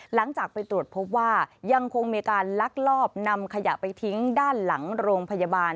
หลังจากไปตรวจพบว่ายังคงมีการลักลอบนำขยะไปทิ้งด้านหลังโรงพยาบาล